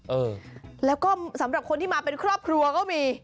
เออแล้วก็สำหรับคนที่มาเป็นครอบครัวก็มี